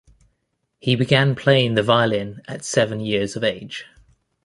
He began playing the violin at seven years of age.